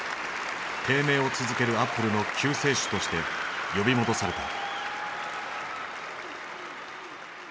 低迷を続けるアップルの救世主として呼び戻された。